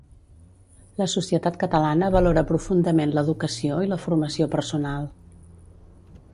La societat catalana valora profundament l'educació i la formació personal.